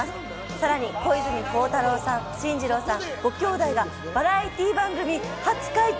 さらに小泉孝太郎さん、進次郎さんのご兄弟がバラエティー番組初解禁。